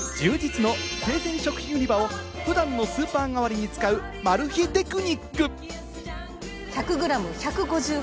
充実の生鮮食品売り場を普段のスーパー代わりに使う、マル秘テクニック！